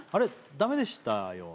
ダメでしたよね？